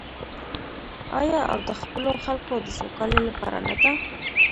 آیا او د خپلو خلکو د سوکالۍ لپاره نه ده؟